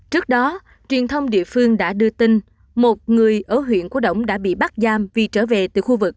trước đó truyền thông địa phương đã đưa tin một người ở huyện cổ động đã bị bắt giam vì trở về từ khu vực